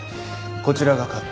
こちらが勝手に。